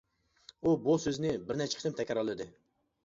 ئۇ بۇ سۆزنى بىرنەچچە قېتىم تەكرارلىدى.